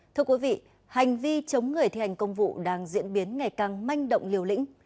thưa quý vị hành vi chống người thi hành công vụ đang diễn biến ngày càng manh động liều lĩnh